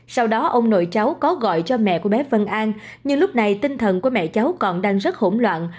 sau đó ông nội cháu có gọi cho mẹ của bé vân an nhưng lúc này tinh thần của mẹ cháu còn đang rất hỗn loạn